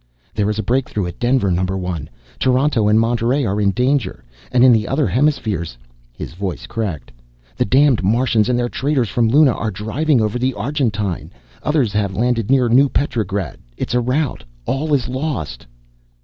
"There is a breakthrough at Denver, Number One! Toronto and Monterey are in danger. And in the other hemispheres " His voice cracked. " the damned Martians and the traitors from Luna are driving over the Argentine. Others have landed near New Petrograd. It is a rout. All is lost!"